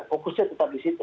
fokusnya tetap di situ